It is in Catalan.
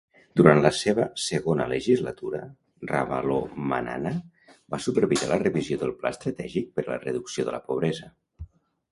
Durant la seva segona legislatura, Ravalomanana va supervisar la revisió del Pla estratègic per a la reducció de la pobresa.